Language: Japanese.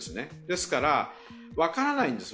ですから、分からないんです、